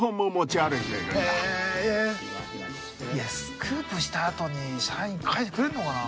いやスクープしたあとにサイン書いてくれるのかな？